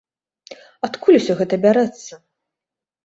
Адкуль усё гэта бярэцца?